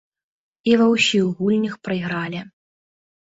І ва ўсіх гульнях прайгралі.